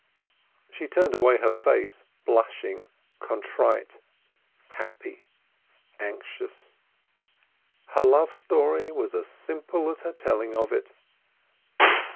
She turned away her face, blushing, contrite, happy, anxious. Her love story was as simple as her telling of it.